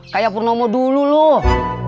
kayak purnomo dulu loh